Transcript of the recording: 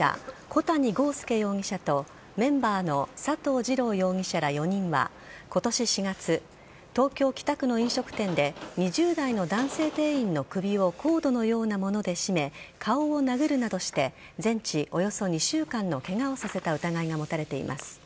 小谷剛介容疑者とメンバーの佐藤次郎容疑者ら４人は今年４月、東京・北区の飲食店で２０代の男性店員の首をコードのようなもので絞め顔を殴るなどして全治およそ２週間のケガをさせた疑いが持たれています。